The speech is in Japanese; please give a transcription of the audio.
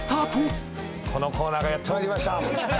このコーナーがやってまいりました！